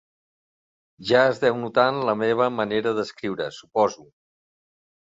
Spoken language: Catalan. Ja es deu notar en la meva manera d'escriure, suposo.